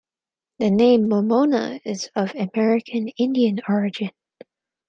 The name Monona is of American Indian origin.